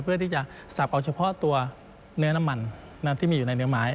เพื่อที่จะสับเอาเฉพาะตัวเนื้อน้ำมันที่มีอยู่ในเนื้อไม้